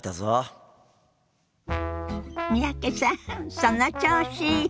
三宅さんその調子！